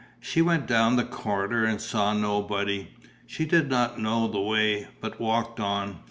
She went down the corridor and saw nobody. She did not know the way, but walked on.